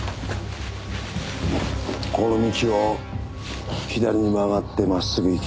この道を左に曲がって真っすぐ行け。